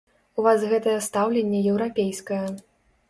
У вас гэтае стаўленне еўрапейскае.